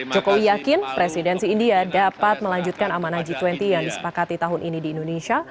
jokowi yakin presidensi india dapat melanjutkan amanah g dua puluh yang disepakati tahun ini di indonesia